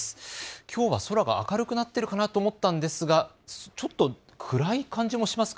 きょうは空が明るくなっているかなと思ったんですが、ちょっと暗い感じもしますか。